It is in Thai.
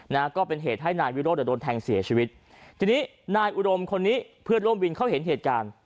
นะก็เป็นเหตุให้นายวิโรธอ่ะโดนแทงเสียชีวิตทีนี้นายอุดมคนนี้เพื่อนร่วมวินเขาเห็นเหตุการณ์